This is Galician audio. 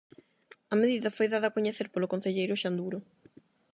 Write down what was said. A medida foi dada a coñecer polo concelleiro Xan Duro.